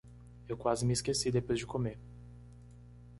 Eu quase me esqueci depois de comer.